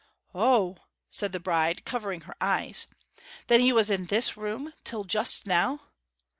'O!' said the bride, covering her eyes. 'Then he was in this room till just now?'